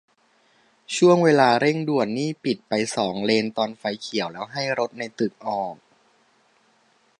ช่วงเวลาเร่งด่วนนี่ปิดไปสองเลนตอนไฟเขียวแล้วให้รถในตึกออก